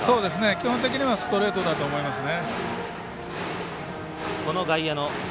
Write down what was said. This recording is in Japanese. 基本的にはストレートだと思いますね。